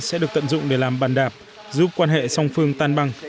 sẽ được tận dụng để làm bàn đạp giúp quan hệ song phương tan băng